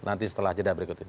nanti setelah jeda berikut ini